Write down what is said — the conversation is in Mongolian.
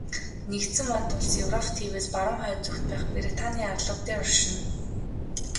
Нэгдсэн вант улс Европ тивээс баруун хойд зүгт байх Британийн арлууд дээр оршино.